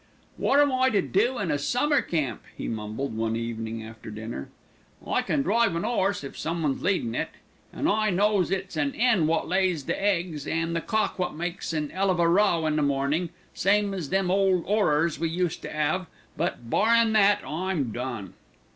"Wot am I to do in a summer camp?" he mumbled, one evening after supper. "I can drive an 'orse, if some one's leadin' it, an' I knows it's an 'en wot lays the eggs an' the cock wot makes an 'ell of a row in the mornin', same as them ole 'orrors we used to 'ave; but barrin' that, I'm done."